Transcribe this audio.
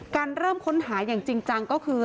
เริ่มค้นหาอย่างจริงจังก็คือ